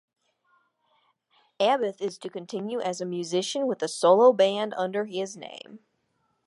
Abbath is to continue as a musician with a solo band under his name.